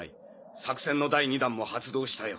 作戦の第２弾も発動したよ